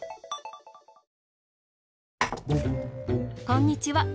こんにちは。